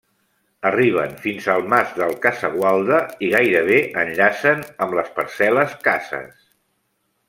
Arriben fins al mas del Casagualda i gairebé enllacen amb les parcel·les Cases.